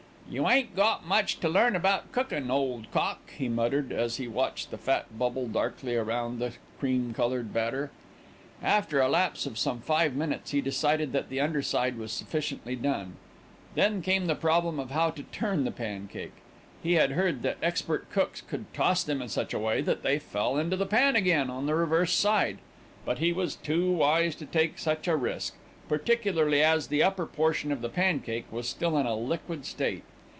"You ain't got much to learn about cookin', old cock," he muttered, as he watched the fat bubble darkly round the cream coloured batter. After a lapse of some five minutes he decided that the underside was sufficiently done. Then came the problem of how to turn the pancake. He had heard that expert cooks could toss them in such a way that they fell into the pan again on the reverse side; but he was too wise to take such a risk, particularly as the upper portion of the pancake was still in a liquid state.